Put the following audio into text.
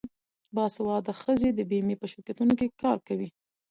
باسواده ښځې د بیمې په شرکتونو کې کار کوي.